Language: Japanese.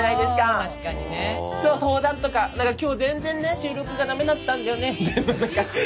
何か今日全然ね収録が駄目だったんだよねみたいな何か。